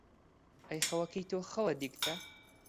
ئەی خەوەکەی تۆ خەوە دیگتە،